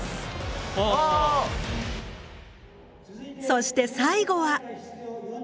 そして最後は。